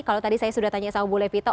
kalau tadi saya sudah tanya sama bu levito